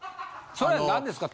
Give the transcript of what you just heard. それは何ですか？